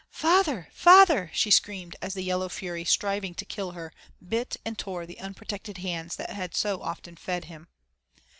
"Feyther! feyther!" she screamed, as the yellow fury, striving to kill her, bit and tore the unprotected hands that had so often fed him.